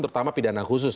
terutama pidana khusus